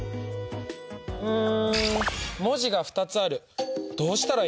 うん。